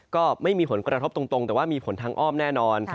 ก็ไม่มีผลกระทบตรงแต่ว่ามีผลทางอ้อมแน่นอน